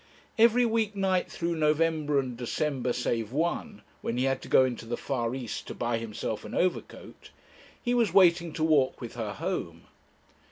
Every week night through November and December, save once, when he had to go into the far East to buy himself an overcoat, he was waiting to walk with her home.